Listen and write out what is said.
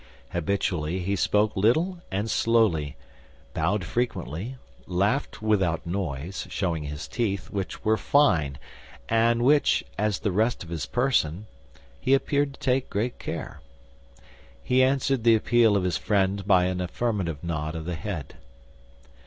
Habitually he spoke little and slowly, bowed frequently, laughed without noise, showing his teeth, which were fine and of which, as the rest of his person, he appeared to take great care. He answered the appeal of his friend by an affirmative nod of the head.